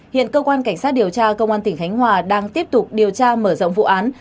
hiện cơ quan cảnh sát điều tra công an tỉnh khánh hòa đang tiếp tục điều tra mở rộng vụ án